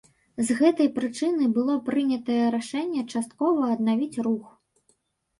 З гэтай прычыны было прынятае рашэнне часткова аднавіць рух.